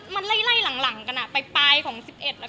มันไล่ไล่หลังกันนะไปปลายของ๑๑แล้วก็มา๑๒